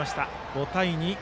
５対２。